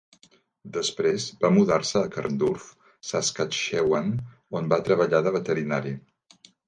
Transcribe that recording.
Després va mudar-se a Carnduff, Saskatchewan, on va treballar de veterinari.